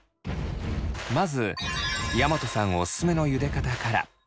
まず大和さんおすすめのゆで方から。